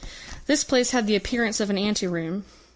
This place had the appearance of an ante room.